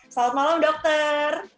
selamat malam dokter